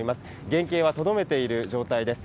原形はとどめている状態です。